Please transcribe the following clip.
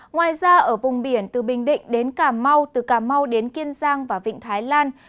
ngoài ra ở vùng biển từ bình định đến cà mau từ cà mau đến kiên giang và vịnh thái lan